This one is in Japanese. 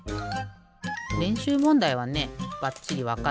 れんしゅうもんだいはねばっちりわかったのよ。